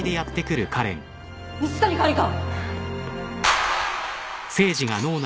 蜜谷管理官！？